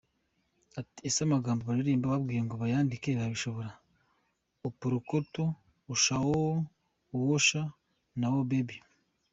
Ati “Ese amagambo baririmba ubabwiye ngo bayandike babishobora… aporokoto, ashawoooo, awosha, nwa Baby.